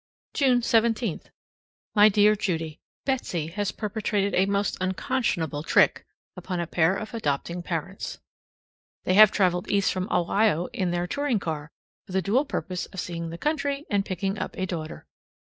June 17. My dear Judy: Betsy has perpetrated a most unconscionable trick upon a pair of adopting parents. They have traveled East from Ohio in their touring car for the dual purpose of seeing the country and picking up a daughter.